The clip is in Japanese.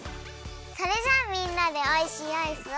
それじゃあみんなでおいしいアイスを。